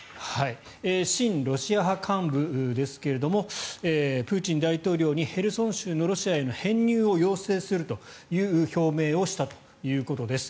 親ロシア派幹部ですがプーチン大統領にヘルソン州のロシアへの編入を要請するという表明をしたということです。